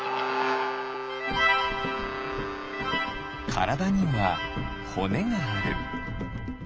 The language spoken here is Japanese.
からだにはほねがある。